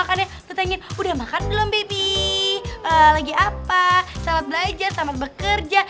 kan dia tertanya tanya udah makan belum baby lagi apa selamat belajar selamat bekerja